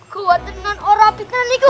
kuat dengan orang abisaniku